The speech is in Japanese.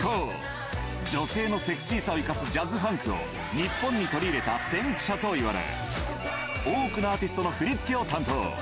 女性のセクシーさを生かすジャズファンクを日本に取り入れた先駆者といわれ、多くのアーティストの振り付けを担当。